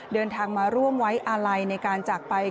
เดินทางมาร่วมไว้อาลัยในการจากไป